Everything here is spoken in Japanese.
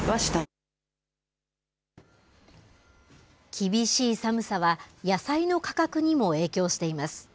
厳しい寒さは、野菜の価格にも影響しています。